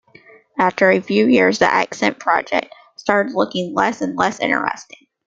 After a few years the Accent project started looking less and less interesting.